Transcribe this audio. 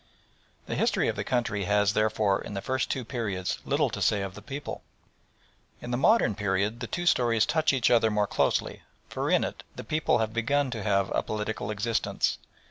The history of the country has, therefore, in the first two periods little to say of the people. In the modern period the two stories touch each other more closely, for in it the people have begun to have a political existence.